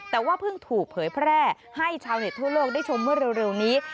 แต่ว่าเพิ่งถูกเผยแพร่ให้ชาวเน็ตทั่วโลกได้ชมเมื่อเร็วนี้